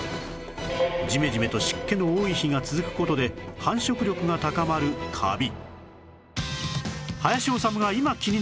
ジメジメと湿気の多い日が続く事で繁殖力が高まるカビ